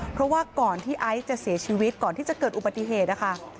เพราะว่าก่อนที่ไอซ์จะเสียชีวิตก่อนที่จะเกิดอุบัติเหตุนะคะ